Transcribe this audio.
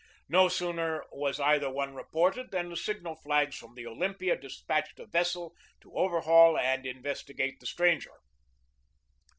No sooner was either one reported than the signal flags from the Olympia despatched a vessel to overhaul and investigate the stranger.